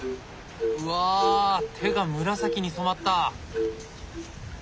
うわ手が紫に染まった！